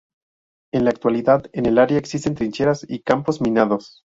En la actualidad en el área existen trincheras y campos minados.